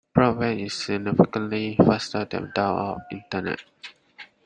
Broadband is significantly faster than dial-up internet.